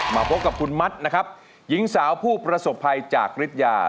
มาพบกับคุณมัดนะครับหญิงสาวผู้ประสบภัยจากฤทยา